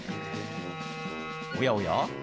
おやおや？